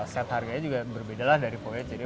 set harganya juga berbeda lah dari voyage